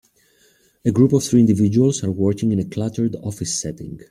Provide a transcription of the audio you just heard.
A group of three individuals are working in a cluttered office setting.